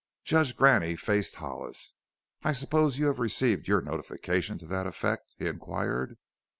Judge Graney faced Hollis. "I suppose you have received your notification to that effect?" he inquired.